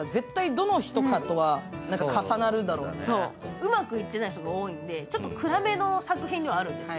うまくいってない人が多いので、ちょっと暗めの作品ではあるんですよ。